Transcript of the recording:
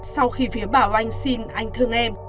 sau khi phía bảo anh xin anh thương em